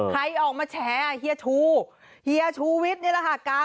ใครออกมาแฉเฮียชูเฮียชูวิทย์นี่แหละค่ะ